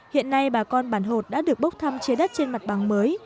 hiện nay bà con bản hột đã được bốc thăm chế đất trên mặt bằng mới